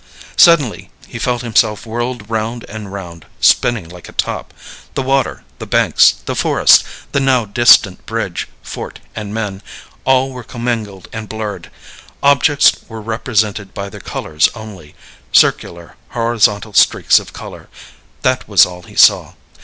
Suddenly he felt himself whirled round and round spinning like a top. The water, the banks, the forest, the now distant bridge, fort, and men all were commingled and blurred. Objects were represented by their colors only; circular horizontal streaks of color that was all he saw.